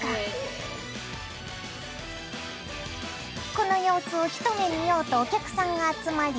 この様子を一目見ようとお客さんが集まり